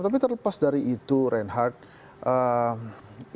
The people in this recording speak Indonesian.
tapi terlepas dari itu reinhardt